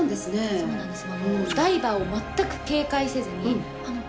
そうなんですよね